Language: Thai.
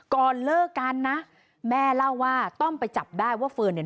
ก่อนเลิกกันนะแม่เล่าว่าต้องไปจับได้ว่าเฟิร์นเนี่ย